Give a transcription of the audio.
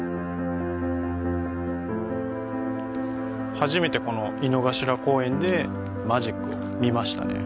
初めてこの井の頭公園でマジックを見ましたね